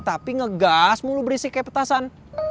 tapi ngegas mulu berisi kayak petasan